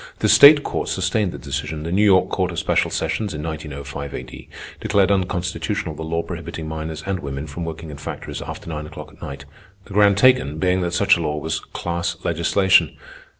The state court sustained the decision. The New York Court of Special Sessions, in 1905 A.D., declared unconstitutional the law prohibiting minors and women from working in factories after nine o'clock at night, the ground taken being that such a law was "class legislation."